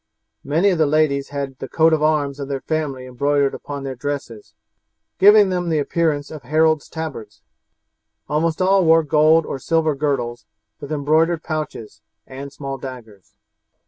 Many of the ladies had the coat of arms of their family embroidered upon their dresses, giving them the appearance of heralds' tabards. Almost all wore gold or silver girdles, with embroidered pouches, and small daggers.